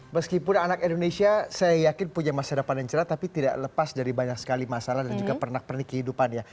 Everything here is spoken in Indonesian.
meskipun anak indonesia saya yakin punya masa depan yang cerah tapi tidak lepas dari banyak sekali masalah dan juga pernak pernik kehidupannya